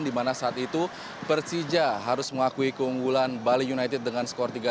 dimana saat itu persija harus mengakui keunggulan bali united dengan skor tiga dua